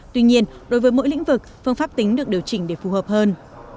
tuy nhiên đối với mỗi lĩnh vực phương pháp tính được điều chỉnh để phù hợp hơn